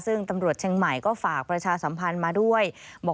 ซึ่งตำรวจเชียงใหม่ก็ฝากประชาสัมพันธ์มาด้วยบอก